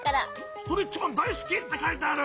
ストレッチマンだいすきってかいてある！